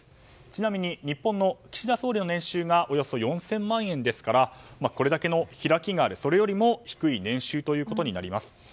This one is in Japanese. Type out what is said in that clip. ちなみに日本の岸田総理の年収がおよそ４０００万円ですからこれだけの開きがあるそれよりも低い年収ということになります。